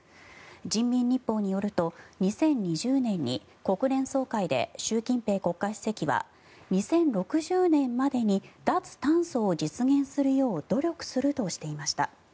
人民日報によると２０２０年に国連総会で習近平国家主席は２０６０年までに脱炭素を実現するよう努力するとしていました。